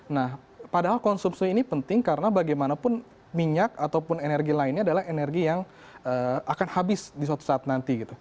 nah padahal konsumsi ini penting karena bagaimanapun minyak ataupun energi lainnya adalah energi yang akan habis di suatu saat nanti gitu